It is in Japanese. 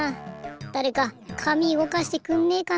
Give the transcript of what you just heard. だれか紙うごかしてくんねえかな。